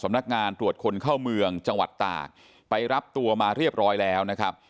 นักงานตรวจคนเข้าเมืองจังหวัดตากไปรับตัวมาเรียบร้อยแล้วนะครับ